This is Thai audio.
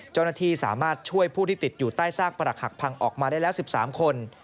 เจ้าหน้าที่สามารถช่วยผู้ที่ติดอยู่ใต้ซากปรักหักพังออกมาได้แล้ว๑๓คน